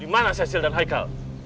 di mana cecil dan highal